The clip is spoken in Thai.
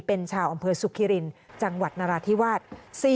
เป็นชาวอำเภอสุขิรินจังหวัดนราธิวาส